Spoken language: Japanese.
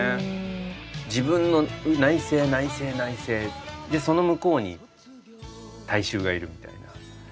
自分の内省内省内省でその向こうに大衆がいるみたいな。